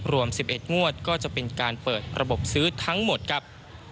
รวม๑๑งวดก็จะเป็นการเปิดระบบซื้อทั้งหมดครับ